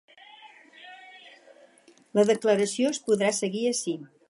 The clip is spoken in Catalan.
La declaració es podrà seguir ací.